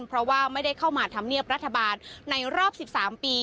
เพราะว่าไม่ได้เข้ามาทำเนียบรัฐบาลในรอบ๑๓ปี